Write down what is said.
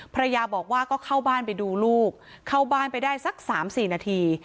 ภรรยาบอกว่าก็เข้าบ้านไปดูลูกเข้าบ้านไปได้สัก๓๔นาที